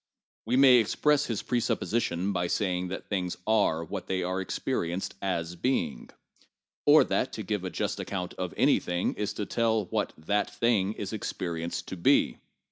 We may express his presupposition by saying that things are what they are experienced as being; or that to give a just account of anything is to tell what that thing is experienced to be.